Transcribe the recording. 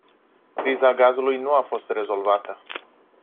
Criza gazului nu a fost rezolvată.